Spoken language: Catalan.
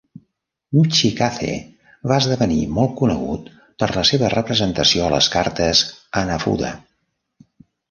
Michikaze va esdevenir molt conegut per la seva representació a les cartes Hanafuda.